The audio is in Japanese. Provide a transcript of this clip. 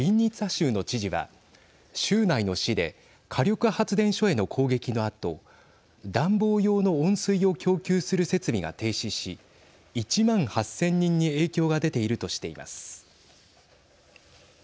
州の知事は州内の市で火力発電所への攻撃のあと暖房用の温水を供給する設備が停止し１万８０００人に影響が出ているとしています。